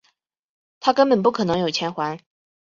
他根本不可能有钱还